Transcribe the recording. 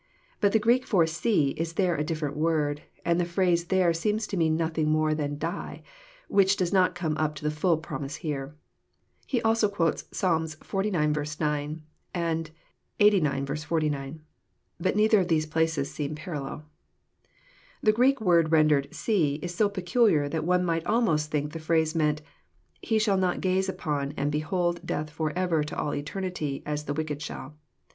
But the Greek for "see" is there a different word, and the phrase there seems to mean nothing more than *' die," which does not come up to the full promise here. He also quotes Psalms xlix. 9 ; Ixxxix. 49. But neither of these places seem parallel. The Greek word rendered " see " is so peculiar that one might almost think the phrase meant, '' he shall not gaze upon and behold death forever to all eternity, as the wicked shall."